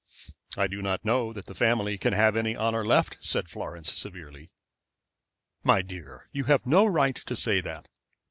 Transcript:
"I do not know that the family can have any honor left," said Florence, severely. "My dear, you have no right to say that.